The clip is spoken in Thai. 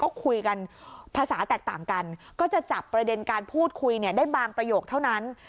ก็คุยกันภาษาแตกต่างกันก็จะจับประเด็นการพูดคุยเนี่ยได้บางประโยคเท่านั้น